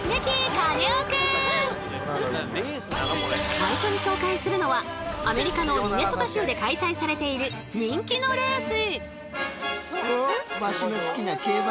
最初に紹介するのはアメリカのミネソタ州で開催されている人気のレース。